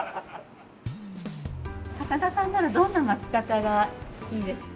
高田さんならどんな巻き方がいいですか？